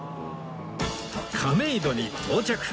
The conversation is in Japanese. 亀戸に到着！